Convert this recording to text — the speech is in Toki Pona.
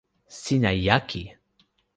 sina jaki!